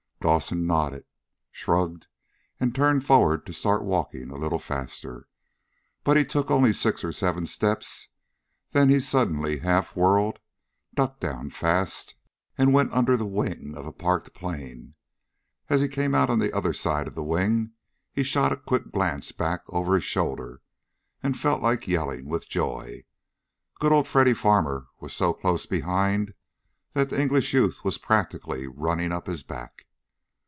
Dawson nodded, shrugged, and turned forward to start walking a little faster. But he took only six or seven steps; then he suddenly half whirled, ducked down fast, and went under the wing of a parked plane. As he came out on the other side of the wing he shot a quick glance back over his shoulder and felt like yelling with joy. Good old Freddy Farmer was so close behind that the English youth was practically running up his back.